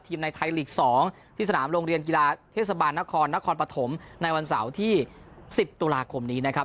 ในไทยลีก๒ที่สนามโรงเรียนกีฬาเทศบาลนครนครปฐมในวันเสาร์ที่๑๐ตุลาคมนี้นะครับ